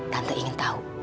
tante ingin tahu